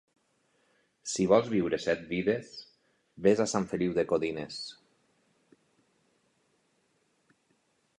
Si vols viure set vides, ves a Sant Feliu de Codines.